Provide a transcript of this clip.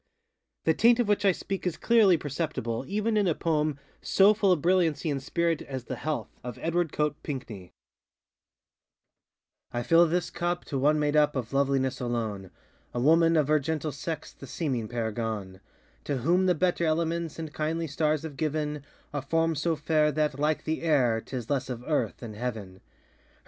The taint of which I speak is clearly perceptible even in a poem so full of brilliancy and spirit as ŌĆ£The HealthŌĆØ of Edward Coate Pinckney:ŌĆö I fill this cup to one made up Of loveliness alone, A woman, of her gentle sex The seeming paragon; To whom the better elements And kindly stars have given A form so fair that, like the air, ŌĆÖTis less of earth than heaven.